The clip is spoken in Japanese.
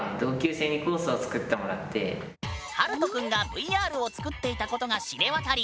はるとくんがＶＲを作っていたことが知れ渡り